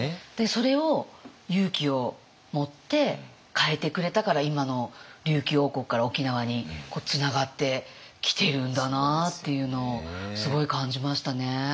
それを勇気を持って変えてくれたから今の琉球王国から沖縄につながってきてるんだなっていうのをすごい感じましたね。